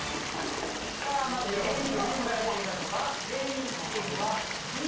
まず芸人チームから見てみましょうか。